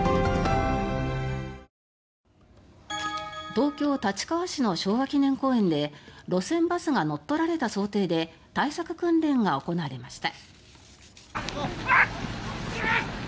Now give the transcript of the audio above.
東京・立川市の昭和記念公園で路線バスが乗っ取られた想定で対策訓練が行われました。